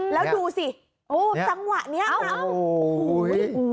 แล้วดูสิจังหวะไหนไม๊